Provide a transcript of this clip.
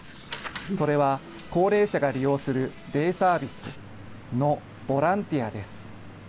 それは、高齢者が利用するデイサービスのボランティアです。